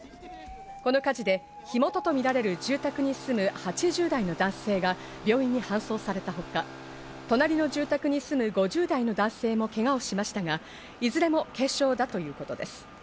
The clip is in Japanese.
この火事で、火元とみられる住宅に住む８０代の男性が病院に搬送されたほか、隣の住宅に住む５０代の男性もけがをしましたが、いずれも軽傷だということです。